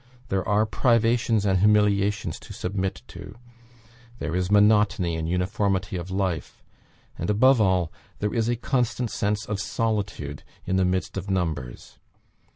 There are privations and humiliations to submit to; there is monotony and uniformity of life; and, above all, there is a constant sense of solitude in the midst of numbers.